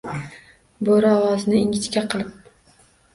Boʻri, ovozini ingichka qilib